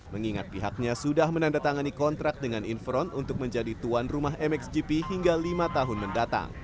mengingat pihaknya sudah menandatangani kontrak dengan infront untuk menjadi tuan rumah mxgp hingga lima tahun mendatang